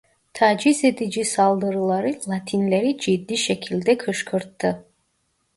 Taciz edici saldırıları Latinleri ciddi şekilde kışkırttı.